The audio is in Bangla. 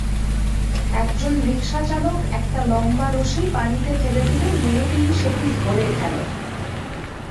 একজন রিকশাচালক একটা লম্বা রশি পানিতে ফেলে দিলে মেয়েটি সেটি ধরে ফেলে।